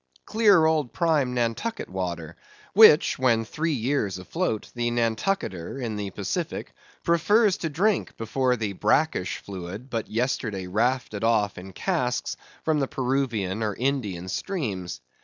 Clear old prime Nantucket water; which, when three years afloat, the Nantucketer, in the Pacific, prefers to drink before the brackish fluid, but yesterday rafted off in casks, from the Peruvian or Indian streams.